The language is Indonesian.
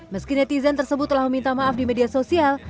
meski netizen tersebut telah meminta maaf di media sosial